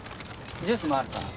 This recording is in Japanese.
ジュースもあるから。